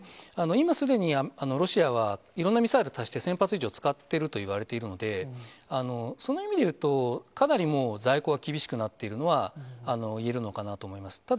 今すでにロシアは、いろんなミサイル足して１０００発以上、使ってるといわれているので、その意味でいうと、かなりもう、在庫は厳しくなっているのはいえるのかなと思います。